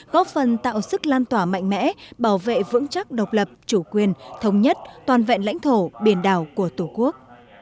góp phần tạo sức lan tỏa mạnh mẽ bảo vệ vững chắc độc lập chủ quyền thống nhất toàn vẹn lãnh thổ biển đảo của tổ quốc